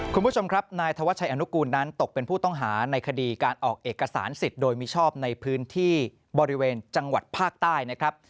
คุณผู้ชมครับนายธวัชชัยอนุกูลนั้นตกเป็นผู้ต้องหาในคดีการออกเอกสารสิทธิ์โดยมิชอบในพื้นที่บริเวณจังหวัดภาคใต้นะครับ